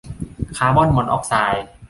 คาร์บอนมอนอกไซด์